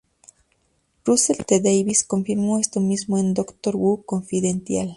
Russell T Davies confirmó esto mismo en "Doctor Who Confidential".